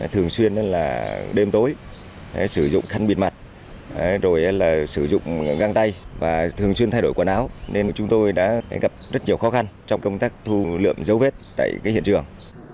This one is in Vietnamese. thường xuyên là đêm tối sử dụng khăn bịt mặt rồi là sử dụng găng tay và thường xuyên thay đổi quần áo nên chúng tôi đã gặp rất nhiều khó khăn trong công tác thu lượm dấu vết tại hiện trường